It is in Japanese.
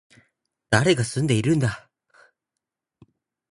誰が住んでいるんだ